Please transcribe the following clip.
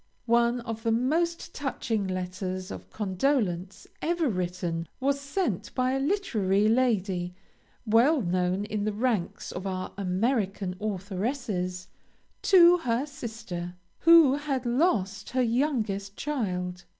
One of the most touching letters of condolence ever written was sent by a literary lady, well known in the ranks of our American authoresses, to her sister, who had lost her youngest child.